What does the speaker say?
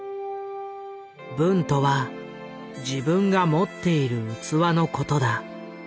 「分とは自分が持っている器のことだ。